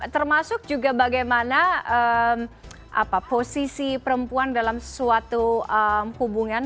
termasuk juga bagaimana posisi perempuan dalam suatu hubungan